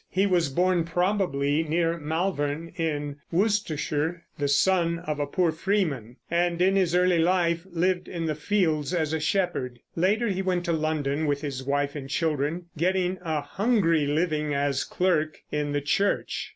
He was born probably near Malvern, in Worcestershire, the son of a poor freeman, and in his early life lived in the fields as a shepherd. Later he went to London with his wife and children, getting a hungry living as clerk in the church.